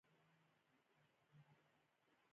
چنګلونه د افغانستان د طبیعي زیرمو برخه ده.